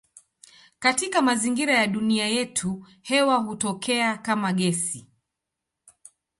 Katika mazingira ya dunia yetu hewa hutokea kama gesi.